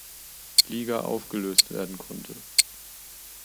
Liga aufgelöst werden konnte.